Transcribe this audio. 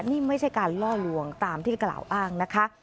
นี่ไม่ใช่การล่อลวงตามที่กล่าวอ้างนะคะ